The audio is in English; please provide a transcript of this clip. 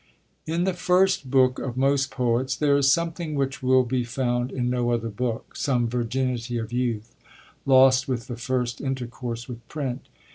In the first book of most poets there is something which will be found in no other book; some virginity of youth, lost with the first intercourse with print.